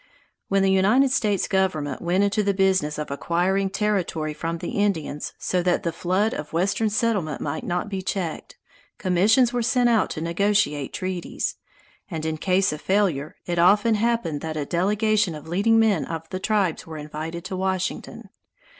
When the United States Government went into the business of acquiring territory from the Indians so that the flood of western settlement might not be checked, commissions were sent out to negotiate treaties, and in case of failure it often happened that a delegation of leading men of the tribe were invited to Washington.